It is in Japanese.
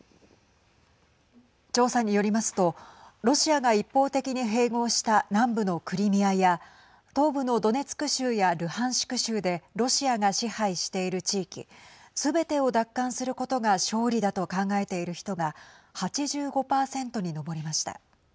調査によりますとロシアが一方的に併合した南部のクリミアや東部のドネツク州やルハンシク州でロシアが支配している地域すべてを奪還することが勝利だと考えている人が８５％に上りました。